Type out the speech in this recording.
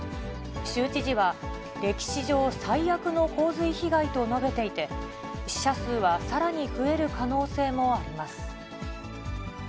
州知事は、歴史上最悪の洪水被害と述べていて、死者数はさらに増える可能性もあります。